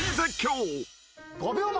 ５秒前。